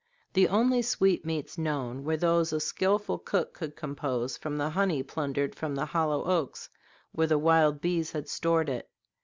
The only sweetmeats known were those a skillful cook could compose from the honey plundered from the hollow oaks where the wild bees had stored it.